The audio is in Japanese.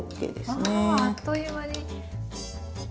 わぁあっという間に。